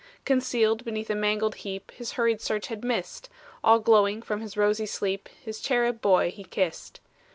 Concealed beneath a mangled heap, His hurried search had missed, All glowing from his rosy sleep, His cherub boy he kissed!